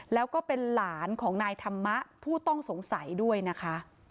แล้วก็เป็นหลานของนายธรรมะผู้ต้องสงสัยด้วยนะคะ